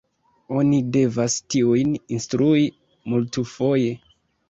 Oni devas tiujn instrui multfoje.